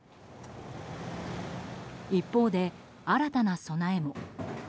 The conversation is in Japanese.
一方で新たな備えも。